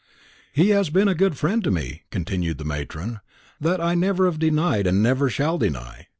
"He has been a good friend to me," continued the matron; "that I never have denied and never shall deny.